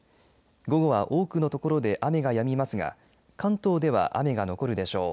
午後は多くの所で雨がやみますが関東では雨が残るでしょう。